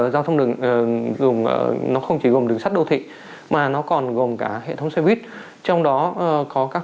giao thông nó không chỉ gồm đường sắt đô thị mà nó còn gồm cả hệ thống xe buýt trong đó có các